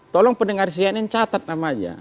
tolong pendengar cnn catat namanya